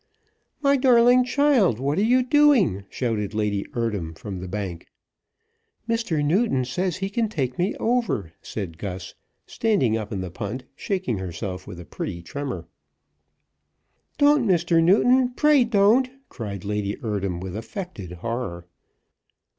"My darling child, what are you doing?" shouted Lady Eardham from the bank. "Mr. Newton says he can take me over," said Gus, standing up in the punt, shaking herself with a pretty tremor. "Don't, Mr. Newton; pray don't!" cried Lady Eardham, with affected horror.